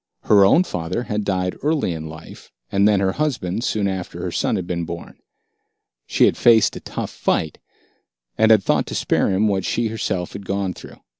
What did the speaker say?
Her own father had died early in life, and then her husband soon after her son had been born. She had faced a tough fight, and had thought to spare him what she herself had gone through.